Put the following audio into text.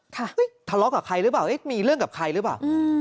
ทะเลาะกับใครหรือเปล่าเอ๊ะมีเรื่องกับใครหรือเปล่า